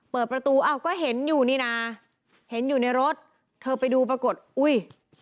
เปิดประตูอ้าวก็เห็นอยู่นี่นะเห็นอยู่ในรถเธอไปดูปรากฏอุ้ย